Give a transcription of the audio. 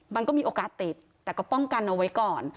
มันก็มีโอกาสติดแต่ก็ป้องกันเอาไว้ก่อน